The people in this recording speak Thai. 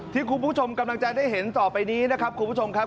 ที่คุณผู้ชมกำลังจะได้เห็นต่อไปนี้นะครับคุณผู้ชมครับ